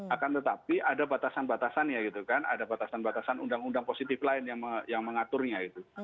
akan tetapi ada batasan batasannya gitu kan ada batasan batasan undang undang positif lain yang mengaturnya itu